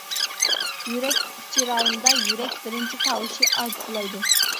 يۈرەك ئۇچى رايونىدا يۈرەك بىرىنچى تاۋۇشى ئاجىزلايدۇ.